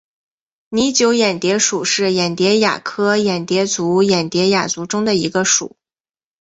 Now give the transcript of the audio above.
拟酒眼蝶属是眼蝶亚科眼蝶族眼蝶亚族中的一个属。